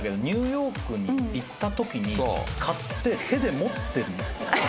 ニューヨークに行ったときに買って手で持ってるの。